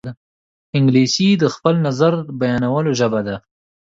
انګلیسي د خپل نظر بیانولو ژبه ده